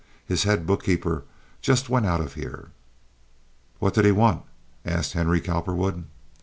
His head bookkeeper just went out of here." "What did he want?" asked Henry Cowperwood.